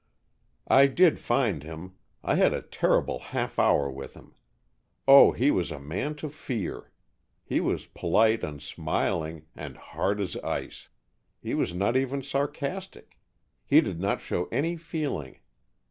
"I did find him. I had a terrible half hour with him. Oh, he was a man to fear. He was polite and smiling, and hard as ice. He was not even sarcastic. He did not show any feeling.